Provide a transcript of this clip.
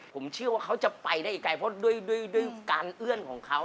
ผมเชื่อว่าเขาจะไปได้อีกไกลเพราะด้วยการเอื้อนของเขา